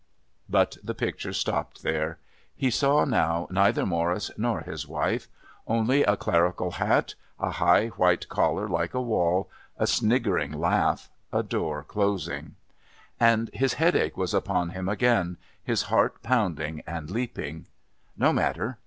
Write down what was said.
But the picture stopped there. He saw now neither Morris nor his wife. Only a clerical hat, a high white collar like a wall, a sniggering laugh, a door closing. And his headache was upon him again, his heart pounding and leaping. No matter.